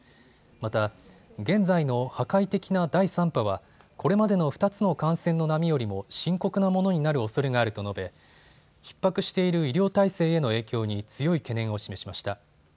また、現在の破壊的な第３波はこれまでの２つの感染の波よりも深刻なものになるおそれがあると述べ、ひっ迫している医療体制への影響に強い懸念を示しました。